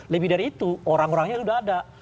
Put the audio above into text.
lebih dari itu orang orangnya sudah ada